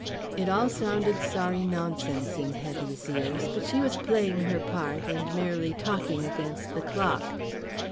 It all sounded sorry nonsense in Hetty's ears, but she was playing her part, and merely talking against the clock.